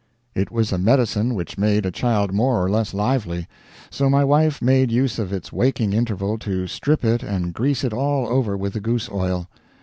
It was a medicine which made a child more or less lively; so my wife made use of its waking interval to strip it and grease it all over with the goose oil.